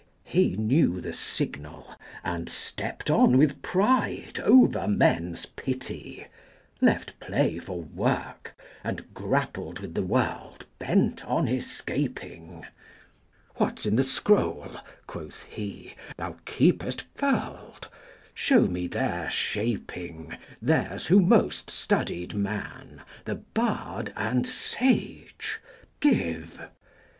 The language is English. He knew the signal, and stepped on with pride Over men's pity; Left play for work, and grappled with the world 45 Bent on escaping: "What's in the scroll," quoth he, "thou keepest furled? Show me their shaping, Theirs who most studied man, the bard and sage Give!"